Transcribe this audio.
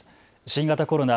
新型コロナ。